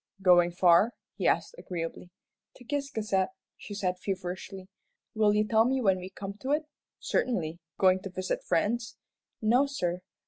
"Going far?" he asked, agreeably. "To Ciscasset," she said, feverishly. "Will you tell me when we come to it?" "Certainly. Going to visit friends?" "No, sir."